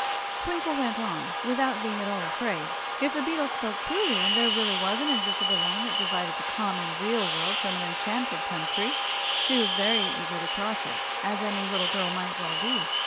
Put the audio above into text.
Twinkle went on, without being at all afraid. If the beetle spoke truly, and there really was an invisible line that divided the common, real world from an enchanted country, she was very eager to cross it, as any little girl might well be.